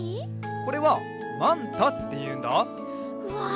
これはマンタっていうんだうわ！